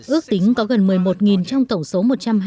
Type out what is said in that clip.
ước tính có gần một mươi một trong tổng số một trăm hai mươi